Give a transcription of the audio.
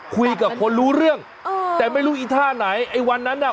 คุยกับคนรู้เรื่องเออแต่ไม่รู้อีท่าไหนไอ้วันนั้นน่ะ